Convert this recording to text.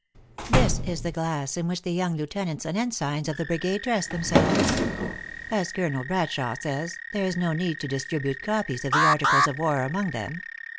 This is the glass in which the young lieutenants and ensigns of the brigade dress themselves. As Colonel Brad shawe says, there is no need to distribute copies of the articles of war among them.